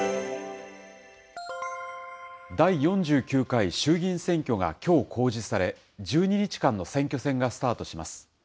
第４９回衆議院選挙がきょう公示され、１２日間の選挙戦がスタートします。